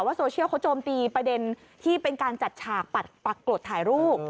โซเชียลเขาโจมตีประเด็นที่เป็นการจัดฉากปรากฏถ่ายรูป